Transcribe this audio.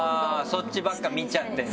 そっちばっか見ちゃってね。